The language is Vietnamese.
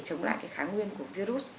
để chống lại cái kháng nguyên của virus